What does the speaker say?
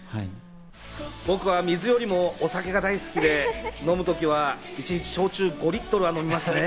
僕は水よりもお酒が大好きで飲むときは一日焼酎５リットルは飲みますね。